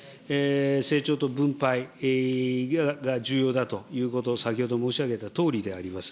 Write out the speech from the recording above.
成長と分配が重要だということ、先ほど申し上げたとおりであります。